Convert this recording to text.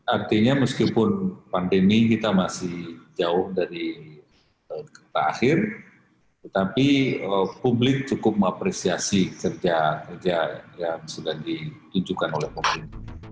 artinya meskipun pandemi kita masih jauh dari terakhir tetapi publik cukup mengapresiasi kerja kerja yang sudah ditunjukkan oleh pemerintah